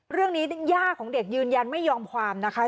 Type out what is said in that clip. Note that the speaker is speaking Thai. เรื่องนี้ย่าของเด็กยืนยันไม่ยอมความนะคะ